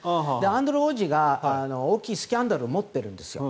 アンドリュー王子が大きいスキャンダルを持ってるんですよ。